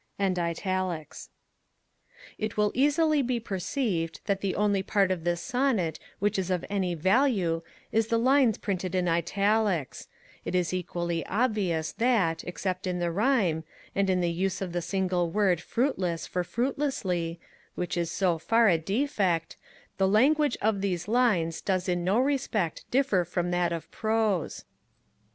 _ It will easily be perceived, that the only part of this Sonnet which is of any value is the lines printed in Italics; it is equally obvious, that, except in the rhyme, and in the use of the single word 'fruitless' for fruitlessly, which is so far a defect, the language of these lines does in no respect differ from that of prose.